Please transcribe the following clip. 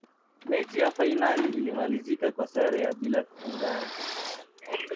mechi ya fainali ilimalizika kwa sare ya bila kufungana